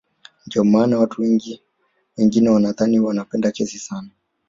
Ndiyo maana watu wengine wanadhani wanapenda kesi sana